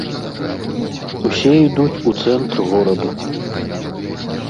Усе ідуць у цэнтр гораду.